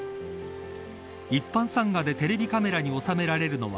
一般参賀でテレビカメラに収められるのは